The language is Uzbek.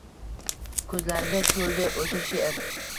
Ko’zlariga to’ldi o’sha she’r